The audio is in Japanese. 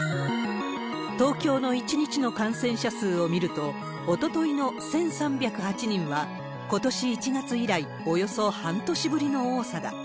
東京の１日の感染者数を見ると、おとといの１３０８人はことし１月以来、およそ半年ぶりの多さだ。